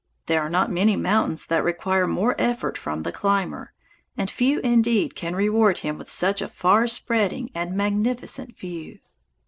There are not many mountains that require more effort from the climber, and few indeed can reward him with such a far spreading and magnificent view.